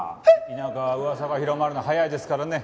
田舎は噂が広まるの早いですからね。